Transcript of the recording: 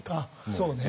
そうね。